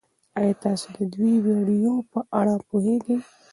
ایا تاسي د دې ویډیو په اړه پوهېږئ؟